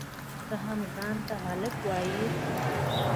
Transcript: ته هم ځان ته هلک وایئ؟!